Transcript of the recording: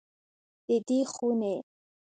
د دې خونې